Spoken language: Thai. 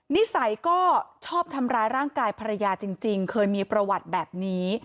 นิสัยก็ชอบทำร้ายร่างกายภรรยาจริงเคยมีประวัติแบบนี้